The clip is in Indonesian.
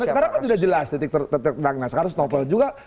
nah sekarang sudah jelas titik terang nah sekarang snopel juga